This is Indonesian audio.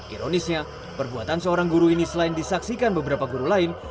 ironisnya perbuatan seorang guru ini selain disaksikan beberapa guru lain